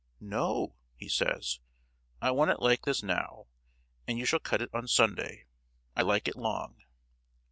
" "No," he says, "I want it like this now, and you shall cut it on Sunday. I like it long!"